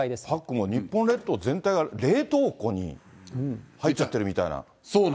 もう、日本列島全体が冷凍庫に入っちゃってるみたいな。